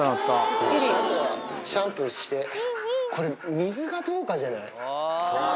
あとはシャンプーして、これ、水がどうかじゃない？